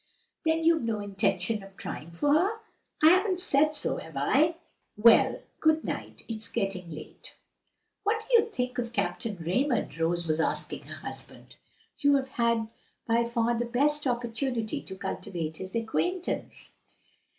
"Then you've no intention of trying for her?" "I haven't said so, have I? Well, good night, it's getting late." "What do you think of Captain Raymond?" Rose was asking her husband. "You have had by far the best opportunity to cultivate his acquaintance."